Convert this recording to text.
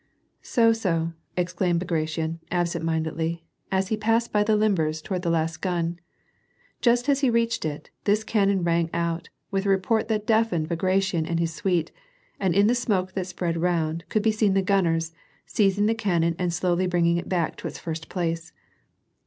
"So, so," exclaimed Bagration absent mindedly, and he passed by the limbers toward the last gun. Just as he reached it, this cannon rang out, with a report that deafened Bagration and his suite, and in the smoke that spread round could be seen the gunners, seizing the cannon and slowly bringing it back to its first place.